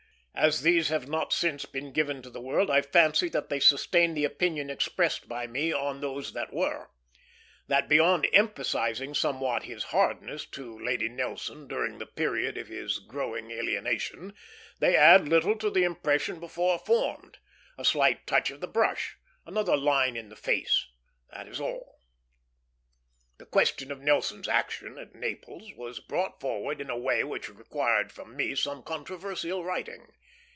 As these have not since been given to the world, I fancy that they sustain the opinion expressed by me on those that were; that beyond emphasizing somewhat his hardness to Lady Nelson during the period of his growing alienation, they add little to the impression before formed. A slight touch of the brush, another line in the face, that is all. The question of Nelson's action at Naples was brought forward in a way which required from me some controversial writing.